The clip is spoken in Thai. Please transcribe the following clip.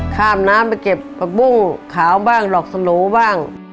ข้ามน้ำไปเก็บผักบุ้งขาวบ้างดอกสโหลบ้าง